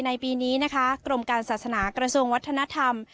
ในปีนี้นะคะกรมการศาสนากระทรวงวัฒนธรรม